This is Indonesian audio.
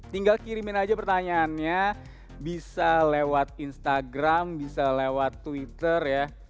tinggal kirimin aja pertanyaannya bisa lewat instagram bisa lewat twitter ya